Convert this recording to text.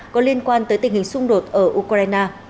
có liên quan tới tình hình xung đột ở ukraine